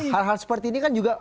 hal hal seperti ini kan juga